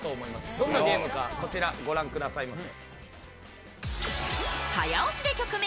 どんなゲームかこちらご覧くださいませ。